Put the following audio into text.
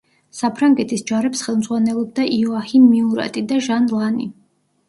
საფრანგეთის ჯარებს ხელმძღვანელობდა იოაჰიმ მიურატი და ჟან ლანი.